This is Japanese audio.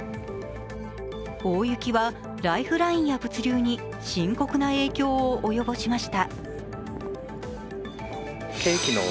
大雪はライフラインや物流に深刻な影響を及ぼしました。